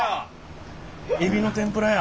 エビの天ぷらや！